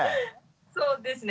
そうですね。